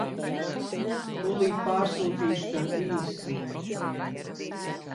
Tūlīt pārsūtīšu tev īsziņu.